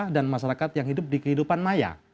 dan masyarakat yang hidup di kehidupan maya